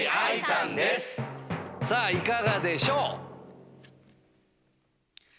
さぁいかがでしょう？